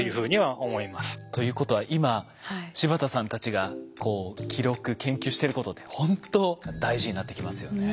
ということは今柴田さんたちが記録研究してることってほんと大事になってきますよね。